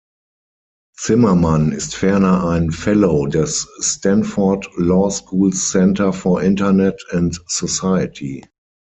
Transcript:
Zimmermann ist ferner ein „Fellow“ des Stanford Law School’s Center for Internet and Society.